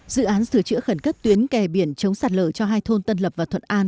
dự án sửa chữa khẩn cấp tuyến kè biển chống sạt lở cho hai thôn tân lập và thuận an